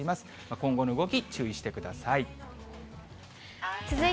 今後の動き、注意してください。